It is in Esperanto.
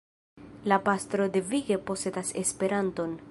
La pastro devige posedas Esperanton.